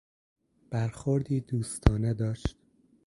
برخوردی دوستانه داشت.